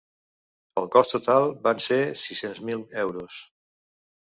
El cost total van ser sis-cents mil euros.